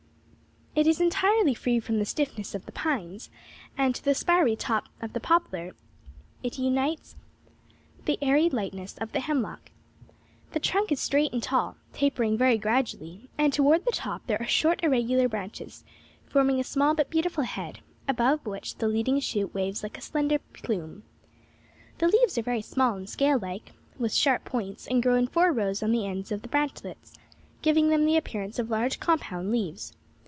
'It is entirely free from the stiffness of the pines, and to the spiry top of the poplar it unites the airy lightness of the hemlock. The trunk is straight and tall, tapering very gradually, and toward the top there are short irregular branches, forming a small but beautiful head, above which the leading shoot waves like a slender plume.' The leaves are very small and scale like, with sharp points, and grow in four rows on the ends of the branchlets, giving them the appearance of large compound leaves.